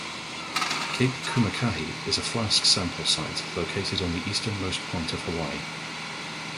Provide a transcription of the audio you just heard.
Cape Kumukahi is a flask sample site located on the easternmost point of Hawaii.